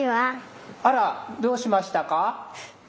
あらどうしましたか？